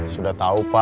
sudah tau pak